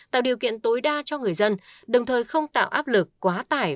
tạo điều kiện tối đa cho người dân đồng thời không tạo áp lực quá tải